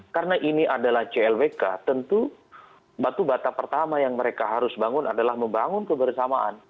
karena ini adalah clbk tentu batu bata pertama yang mereka harus bangun adalah membangun kebersamaan